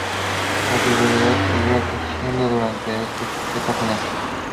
La rivalidad siguió creciendo durante esta Final.